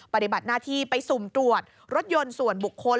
ปฏิบัติหน้าที่ไปสุ่มตรวจรถยนต์ส่วนบุคคล